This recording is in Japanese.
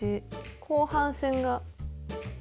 後半戦が。